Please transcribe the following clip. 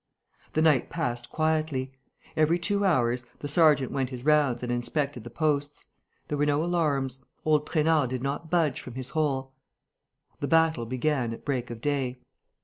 The night passed quietly. Every two hours, the sergeant went his rounds and inspected the posts. There were no alarms. Old Trainard did not budge from his hole. The battle began at break of day.